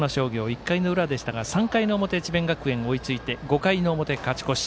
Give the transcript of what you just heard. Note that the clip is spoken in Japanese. １回の裏でしたが、３回の表に智弁学園、追いついて５回の表、勝ち越し。